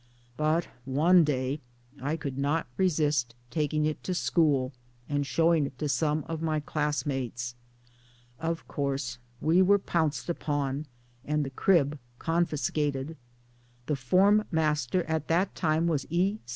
But one day I could not resist taking it to school and showing it to some of my class mates. Of course we were pounced upon, and the crib' confiscated. The form master at that time was E.